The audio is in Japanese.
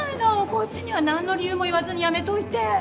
こっちには何の理由も言わずにやめといて！